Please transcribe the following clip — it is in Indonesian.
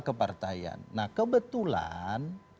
kepartaian nah kebetulan